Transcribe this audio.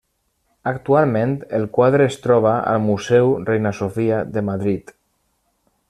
Actualment el quadre es troba al Museu Reina Sofia de Madrid.